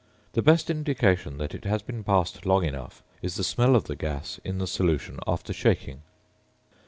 The best indication that it has been passed long enough is the smell of the gas in the solution after shaking.